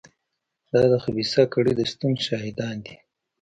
دا د خبیثه کړۍ د شتون شاهدان دي.